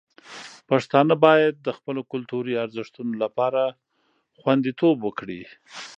پښتانه باید د خپلو کلتوري ارزښتونو لپاره خوندیتوب وکړي.